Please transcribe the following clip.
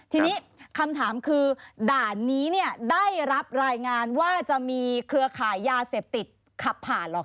ทีนี้คำถามคือด่านนี้ได้รับรายงานว่าจะมีเครือข่ายยาเสพติดขับผ่านหรอก